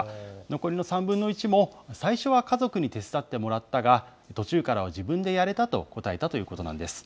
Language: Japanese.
残りの３分の１も、最初は家族に手伝ってもらったが、途中からは自分でやれたと答えたということなんです。